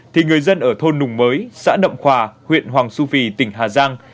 thì người dân ở thôn nùng mới xã đậm khòa huyện hoàng su phi tỉnh hà giang